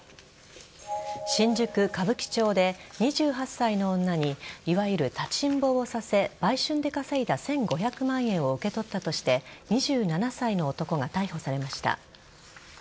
新宿・歌舞伎町で２８歳の女にいわゆる立ちんぼをさせ売春で稼いだ１５００万円を受け取ったとして２７歳の男が逮捕されました。